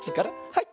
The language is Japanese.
はい。